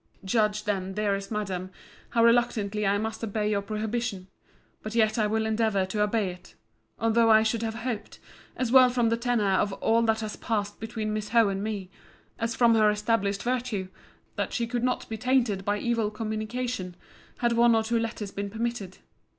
Judge then, dearest Madam, how reluctantly I must obey your prohibition—but yet I will endeavour to obey it; although I should have hoped, as well from the tenor of all that has passed between Miss Howe and me, as from her established virtue, that she could not be tainted by evil communication, had one or two letters been permitted.